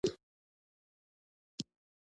دوی په دې روحیه هر وخت ډېر افتخار کوي.